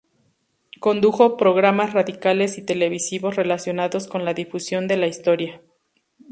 Condujo programas radiales y televisivos relacionados con la difusión de la historia.